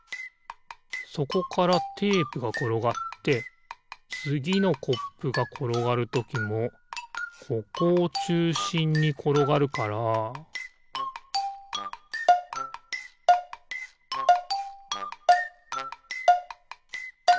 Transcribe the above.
そこからテープがころがってつぎのコップがころがるときもここをちゅうしんにころがるからピッ！